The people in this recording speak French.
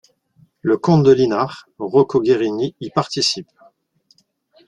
Le comte de Lynar, Rocco Guerrini, y participe.